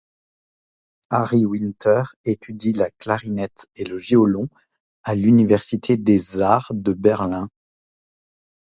Harry Winter étudie la clarinette et le violon à l'université des arts de Berlin.